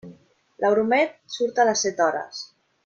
L'Euromed surt a les set hores.